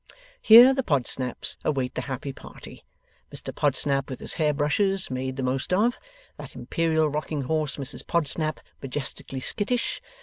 Here, the Podsnaps await the happy party; Mr Podsnap, with his hair brushes made the most of; that imperial rocking horse, Mrs Podsnap, majestically skittish.